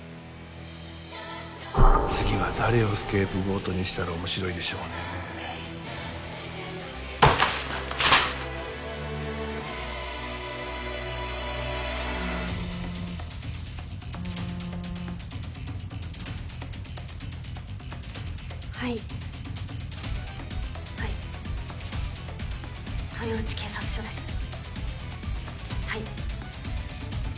次は誰をスケープゴートにしたら面白はいはい豊内警察署ですねはい。